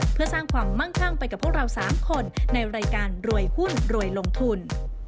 เพื่อสร้างความมั่งคั่งไปกับพวกเรา๓คนในรายการรวยหุ้นรวยลงทุน